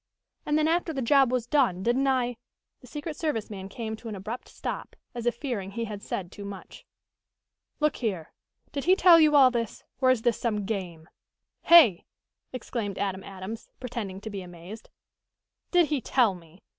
And then after the job was done, didn't I " The secret service man came to an abrupt stop, as if fearing he had said too much. "Look here, did he tell you all this, or is this some game?" "Hey!" exclaimed Adam Adams, pretending to be amazed. "Did he tell me.